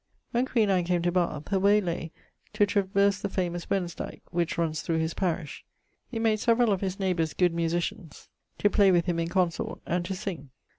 When queen Anne came to Bathe, her way lay to traverse the famous Wensdyke, which runnes through his parish. He made severall of his neighbours good musitians, to play with him in consort, and to sing.